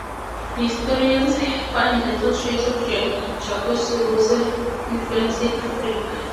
Historians find little trace of Jean-Jacques Rousseau's influence in America.